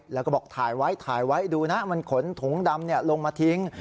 แล้วก็บอกถ่ายไว้ถ่ายไว้ดูนะมันขนถุงดำลงมาทิ้ง